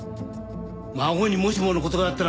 孫にもしもの事があったら訴えるぞ。